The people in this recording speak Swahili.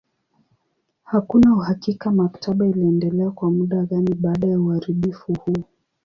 Hakuna uhakika maktaba iliendelea kwa muda gani baada ya uharibifu huo.